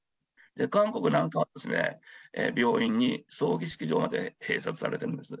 韓国なんかは、病院に葬儀式場まで併設されてるんです。